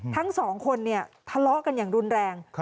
ทั้งสองคนเนี่ยทะเลาะกันอย่างรุนแรง